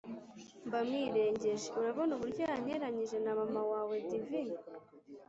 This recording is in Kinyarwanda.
mba mwirengeje, urabona uburyo yaranteranyije na mama wawe divi!’